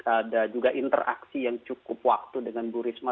ada juga interaksi yang cukup waktu dengan bu risma